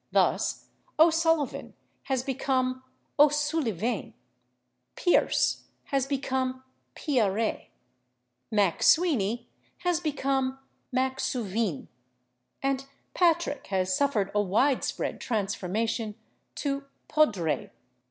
Thus, /O'Sullivan/ has become /O Suilleabháin/, /Pearse/ has become /Piarais/, /Mac Sweeney/ has become /Mac Suibhne/, and /Patrick/ has suffered a widespread transformation to /Padraic